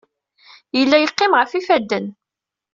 Yella yeqqim ɣef yifadden.